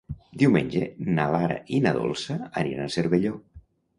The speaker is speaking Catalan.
Diumenge na Lara i na Dolça aniran a Cervelló.